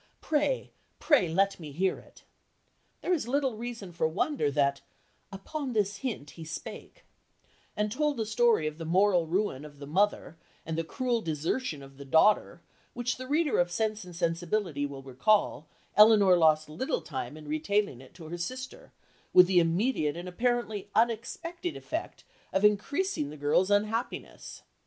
Pray, pray let me hear it," there is little reason for wonder that "upon this hint he spake," and told the story of the moral ruin of the mother and the cruel desertion of the daughter which the reader of Sense and Sensibility will recall, Elinor lost little time in retailing it to her sister, with the immediate and apparently unexpected effect of increasing the girl's unhappiness.